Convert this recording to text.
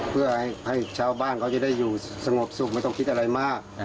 เพื่อให้ชาวบ้านเขาจะได้อยู่สงบสุขไม่ต้องคิดอะไรมาก